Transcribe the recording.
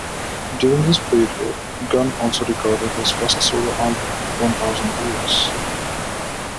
During this period Gunn also recorded his first solo album "One Thousand Years".